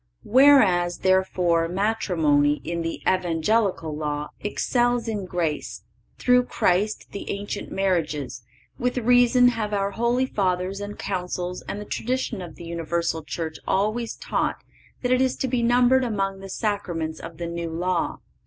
Whereas, therefore matrimony, in the evangelical law, excels in grace, through Christ, the ancient marriages; with reason have our holy Fathers and Councils and the tradition of the universal Church always taught that it is to be numbered among the sacraments of the new law."